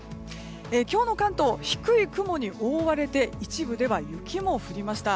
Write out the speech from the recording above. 今日の関東、低い雲に覆われて一部では雪も降りました。